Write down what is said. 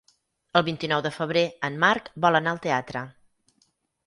El vint-i-nou de febrer en Marc vol anar al teatre.